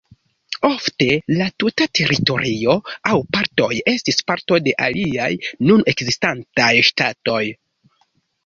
Ofte la tuta teritorio aŭ partoj estis parto de aliaj nun ekzistantaj ŝtatoj.